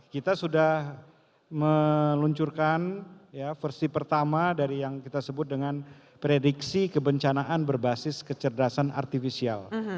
kita sudah meluncurkan versi pertama dari yang kita sebut dengan prediksi kebencanaan berbasis kecerdasan artifisial